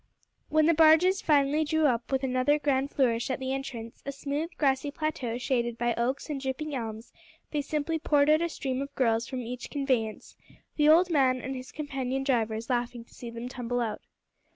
When the barges finally drew up with another grand flourish at the entrance, a smooth grassy plateau shaded by oaks and drooping elms, they simply poured out a stream of girls from each conveyance; the old man and his companion drivers laughing to see them tumble out.